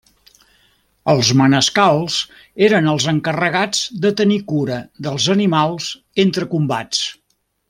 Els manescals eren els encarregats de tenir cura dels animals entre combats.